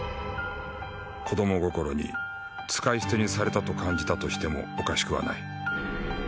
子供心に使い捨てにされたと感じたとしてもおかしくはない。